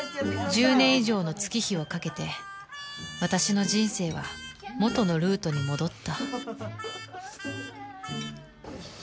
１０年以上の月日をかけて私の人生は元のルートに戻ったよいしょ